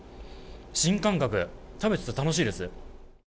新感覚、食べてて楽しいです。